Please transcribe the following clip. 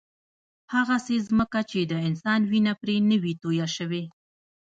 هغسې ځمکه چې د انسان وینه پرې نه وي تویه شوې.